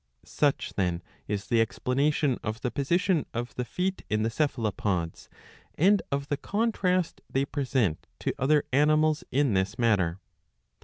''^ Such then is the explanation of the position of the feet in the Cephalopods, and of the contrast they present to other animals in this matter.